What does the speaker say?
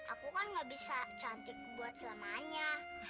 aku kan gak bisa cantik buat selamanya